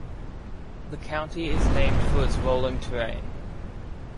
The county is named for its rolling terrain.